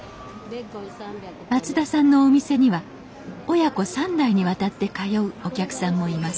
松田さんのお店には親子３代にわたって通うお客さんもいます